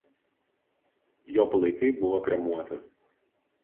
Jo palaikai buvo kremuoti.